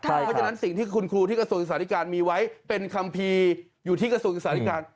เพราะฉะนั้นสิ่งที่คุณครูที่กระทรวงศึกษาธิการมีไว้เป็นคัมภีร์อยู่ที่กระทรวงศึกษาธิการ